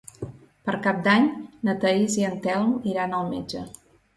Per Cap d'Any na Thaís i en Telm iran al metge.